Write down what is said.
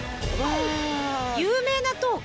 有名な塔か。